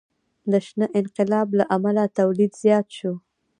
د شنه انقلاب له امله تولید زیات شو.